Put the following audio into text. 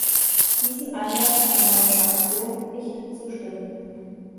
Diesem Ansatz kann meine Fraktion nicht zustimmen.